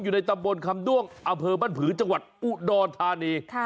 อยู่ในตำบลคำด้วงอำเภอบ้านผือจังหวัดอุดรธานี